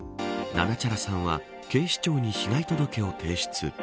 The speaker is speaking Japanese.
ななちゃらさんは警視庁に被害届を提出。